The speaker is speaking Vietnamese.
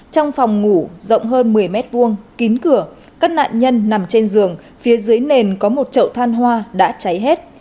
trong phòng ngủ rộng hơn một mươi m hai kín cửa các nạn nhân nằm trên giường phía dưới nền có một chậu than hoa đã cháy hết